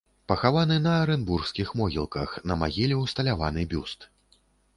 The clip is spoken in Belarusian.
Пахаваны на арэнбургскіх могілках, на магіле ўсталяваны бюст.